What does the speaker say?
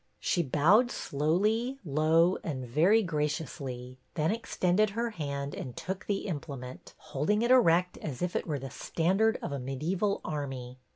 She bowed slowly, low, and very graciously, then extended her hand and took the implement, holding it erect as if it were the standard of a mediaeval army.